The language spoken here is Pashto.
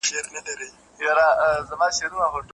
او په دواړو یې له مځکي را ویشتل وه